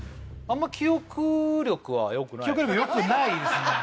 あんま記憶力よくないですね